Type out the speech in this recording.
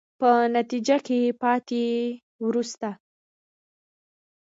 په نتیجه کې پاتې، وروستو.